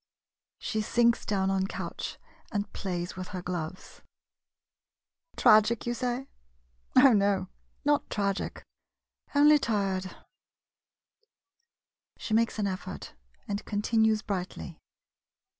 [She sinks down on couch and plays with her gloves.'] 27 MODERN MONOLOGUES Tragic — you say? Oh, no — not tragic — only tired. [She makes an effort and continues brightly.